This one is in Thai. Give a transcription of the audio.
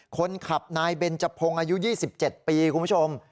คนขับนายเบนจพงฯอายุยี่สิบเจ็ดปีคุณผู้ชม